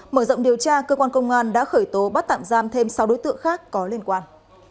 mở rộng điều tra cơ quan công an đã khởi tố bắt tạm giam thêm sáu đối tượng khác có liên quan